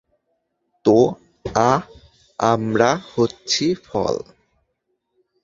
তো আ-আমরা হচ্ছি ফল।